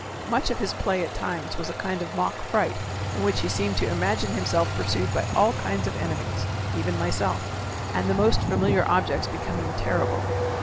Much of his play at times was a kind of mock fright in which he seemed to imagine himself pursued by all kinds of enemies even myself and the most familiar objects becoming terrible.